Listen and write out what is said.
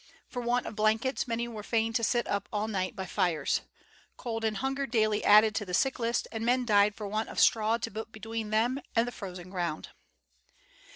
For want of blankets many were fain to sit up all night by fires. Cold and hunger daily added to the sick list, and men died for want of straw to put between them and the frozen ground."